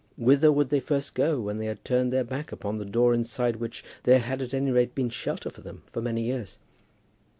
Whither would they first go when they turned their back upon the door inside which there had at any rate been shelter for them for many years?